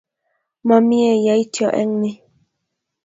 Mamie yaityo eng ni